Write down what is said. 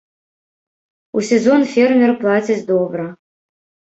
У сезон фермер плаціць добра.